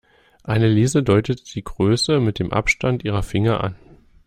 Anneliese deutet die Größe mit dem Abstand ihrer Finger an.